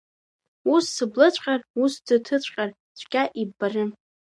Ус сыблыҵәҟьар, ус сӡыҭыҵәҟьар, цәгьа иббарым…